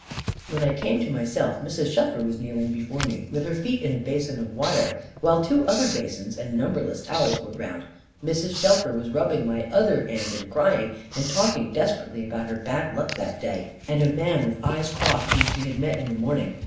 When I came to myself, Mrs. Shelfer was kneeling before me, with her feet in a basin of water, while two other basins, and numberless towels, were round. Mrs. Shelfer was rubbing my other hand, and crying and talking desperately about her bad luck that day, and a man with eyes crossed whom she had met in the morning.